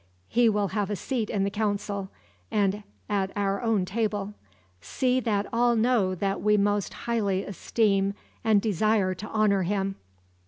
He will have a seat in the council, and at our own table. See that all know that we most highly esteem and desire to honor him."